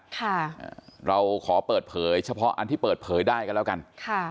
ค่ะอ่าเราขอเปิดเผยเฉพาะอันที่เปิดเผยได้กันแล้วกันค่ะ